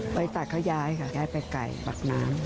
ตักเขาย้ายค่ะย้ายไปไกลปากน้ำ